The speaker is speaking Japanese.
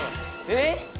えっ？